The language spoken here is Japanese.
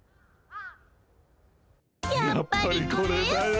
やっぱりこれよね。